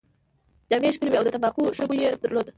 جامې يې ښکلې وې او د تمباکو ښه بوی يې درلود.